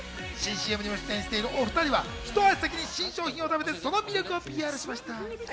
新ＣＭにも出演しているお２人は、ひと足先に新商品を食べてその魅力をＰＲしました。